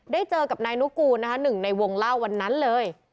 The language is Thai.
เจอกับนายนุกูลนะคะหนึ่งในวงเล่าวันนั้นเลย